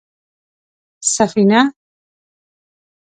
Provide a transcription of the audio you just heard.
_سفينه؟